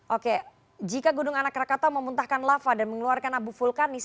oke jika gunung anak rakatau memuntahkan lava dan mengeluarkan abu vulkanis